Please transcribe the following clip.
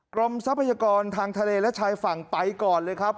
ทรัพยากรทางทะเลและชายฝั่งไปก่อนเลยครับ